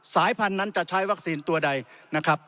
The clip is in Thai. สายพันธุ์นั้นจะใช้วัคซีนตัวใดนะครับ